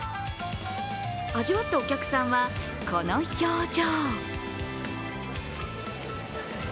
味わったお客さんはこの表情。